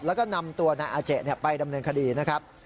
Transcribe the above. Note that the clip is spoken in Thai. แล้วก็นำตัวนายอาเจไปดำเนินคดีนะครับ